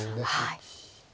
はい。